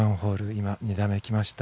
今、２打目来ました。